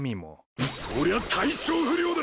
そりゃ体調不良だ！